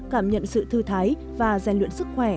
cảm nhận sự thư thái và rèn luyện sức khỏe